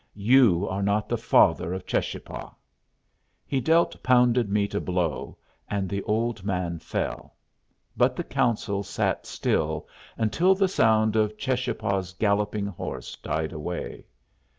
You are not the father of Cheschapah." He dealt Pounded Meat a blow, and the old man fell. But the council sat still until the sound of Cheschapah's galloping horse died away.